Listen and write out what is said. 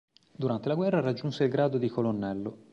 Durante la guerra raggiunse il grado di colonnello.